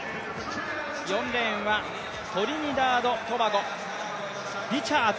４レーンはトリニダード・トバゴ、リチャーズ。